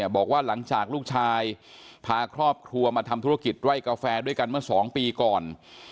บอกว่าหลังจากลูกชายพาครอบครัวมาทำธุรกิจไร่กาแฟด้วยกันเมื่อ๒ปีก่อน